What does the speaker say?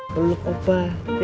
peluk opah ya